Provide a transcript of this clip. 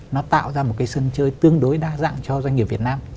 nó tạo ra một cái sân chơi tương đối đa dạng cho doanh nghiệp việt nam